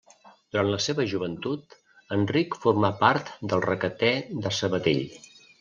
Durant la seva joventut, Enric formà part del Requetè de Sabadell.